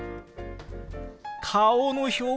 顔の表現！